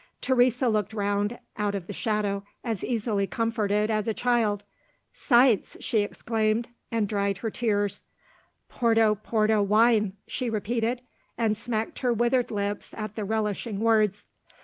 Teresa looked round out of the shadow, as easily comforted as a child. "Sights!" she exclaimed and dried her tears. "Porto porto wine!" she repeated and smacked her withered lips at the relishing words.